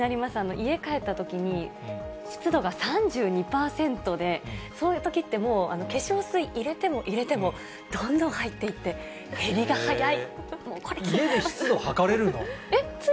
家帰ったときに湿度が３２％で、そういうときって、もう化粧水、入れても入れてもどんどん入っていって、減りが早い。